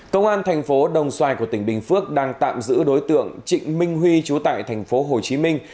công an thành phố đồng xoài của tỉnh bình phước đang tạm giữ đối tượng trịnh minh huy chú tại thành phố hồ chí minh